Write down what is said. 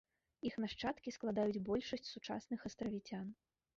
Іх нашчадкі складаюць большасць сучасных астравіцян.